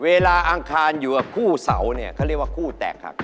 อังคารอยู่กับคู่เสาเนี่ยเขาเรียกว่าคู่แตกหัก